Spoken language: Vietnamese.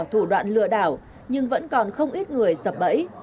thủ đoạn lừa đảo nhưng vẫn còn không ít người sập bẫy